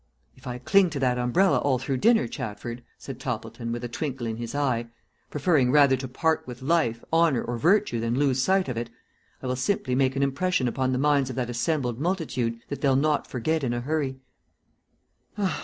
"If I cling to that umbrella all through dinner, Chatford," said Toppleton, with a twinkle in his eye, "preferring rather to part with life, honour, or virtue than lose sight of it, I will simply make an impression upon the minds of that assembled multitude that they'll not forget in a hurry."